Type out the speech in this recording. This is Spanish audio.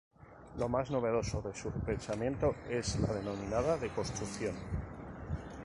Lo más novedoso de su pensamiento es la denominada deconstrucción.